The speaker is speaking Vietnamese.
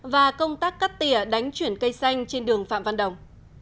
và công tác cắt tỉa đánh chuyển cây xanh trên đường phạm văn đồng